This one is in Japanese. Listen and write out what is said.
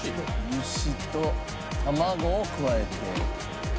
油脂と卵を加えて。